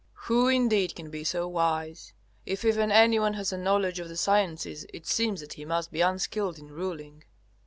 Who indeed can be so wise? If even anyone has a knowledge of the sciences it seems that he must be unskilled in ruling.